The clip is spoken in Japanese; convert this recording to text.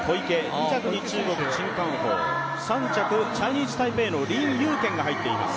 ２着に中国・陳冠鋒、３着、チャイニーズ・タイペイの林祐賢が入っています。